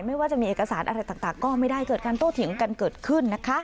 ว่าจะมีเอกสารอะไรต่างก็ไม่ได้เกิดการโต้เถียงกันเกิดขึ้นนะคะ